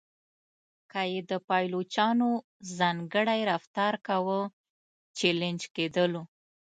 که یې د پایلوچانو ځانګړی رفتار کاوه چلنج کېدلو.